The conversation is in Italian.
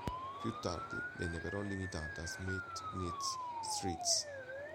Più tardi, venne però limitata a Smith-Ninth Streets.